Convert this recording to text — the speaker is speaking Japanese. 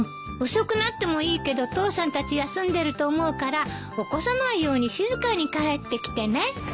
遅くなってもいいけど父さんたち休んでると思うから起こさないように静かに帰ってきてね。